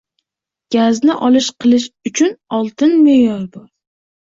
Gazni olish qilish uchun oltin meʼyor bor